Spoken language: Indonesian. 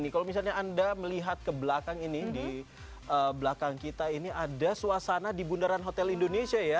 kalau misalnya anda melihat ke belakang ini di belakang kita ini ada suasana di bundaran hotel indonesia ya